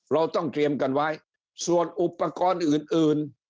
เราต้องเตรียมกันไว้ส่วนอุปกรณ์อื่นอื่น